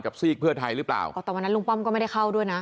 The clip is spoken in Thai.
ซีกเพื่อไทยหรือเปล่าก็แต่วันนั้นลุงป้อมก็ไม่ได้เข้าด้วยนะ